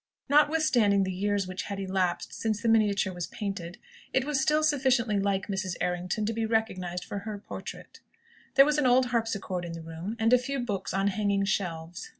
Notwithstanding the years which had elapsed since the miniature was painted, it was still sufficiently like Mrs. Errington to be recognised for her portrait. There was an old harpsichord in the room, and a few books on hanging shelves.